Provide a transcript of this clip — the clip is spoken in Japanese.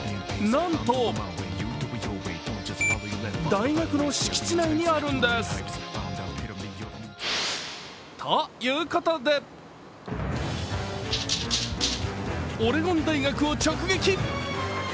なんと、大学の敷地内にあるんですということでオレゴン大学を直撃。